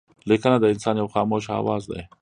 لیکنه د انسان یو خاموشه آواز دئ.